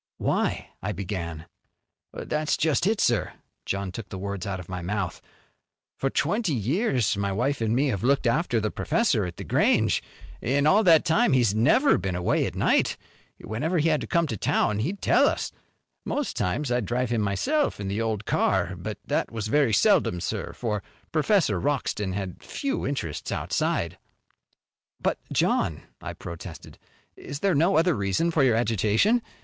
"Why " I began. "That's just it, sir." John took the words out of my mouth. "For twenty years my wife an' me have looked after the professor at The Grange. In all that time he's never been away at night. Whenever he had to come to town he'd tell us. Most times I'd drive him myself in the old car. But that was very seldom, sir, for Professor Wroxton had few interests outside." "But, John," I protested "is there no other reason for your agitation?